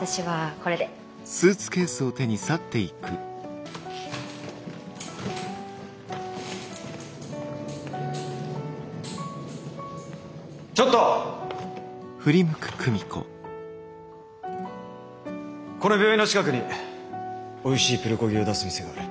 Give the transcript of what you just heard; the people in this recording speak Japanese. この病院の近くにおいしいプルコギを出す店がある。